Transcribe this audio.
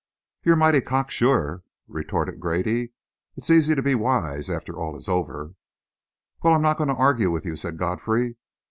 "You're mighty cocksure," retorted Grady. "It's easy to be wise after it's all over." "Well, I'm not going to argue with you," said Godfrey.